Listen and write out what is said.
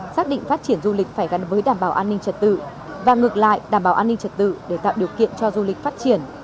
xác định phát triển du lịch phải gắn với đảm bảo an ninh trật tự và ngược lại đảm bảo an ninh trật tự để tạo điều kiện cho du lịch phát triển